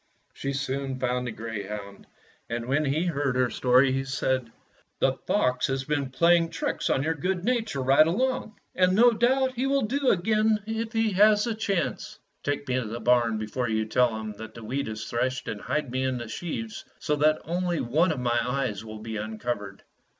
She soon found the greyhound, and when he heard her story he said: "The fox has 144 . Fairy Tale Foxes been playing tricks on your good nature right along, and no doubt he will do so again if he has the chance. Take me to the barn before you tell him that the wheat is threshed and hide me in the sheaves so that only one of my eyes will be uncovered.